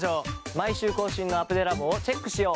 毎週更新のアプデラボをチェックしよう。